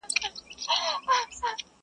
قلا د مېړنو ده څوک به ځي څوک به راځي؛